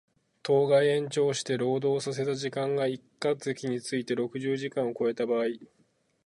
当該延長して労働させた時間が一箇月について六十時間を超えた場合